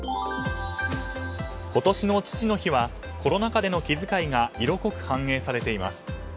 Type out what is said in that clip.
今年の父の日はコロナ禍での気遣いが色濃く反映されています。